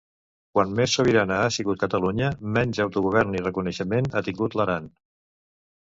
Quan més sobirana ha sigut Catalunya, menys autogovern i reconeixement ha tingut l'Aran.